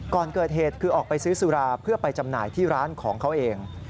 ก่อนเกิดเหตุคือออกไปซื้อสุราเพื่อไปจำหน่ายที่ร้านของเขาเอง